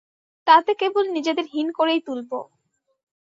তাতে কেবল নিজেদের হীন করেই তুলব।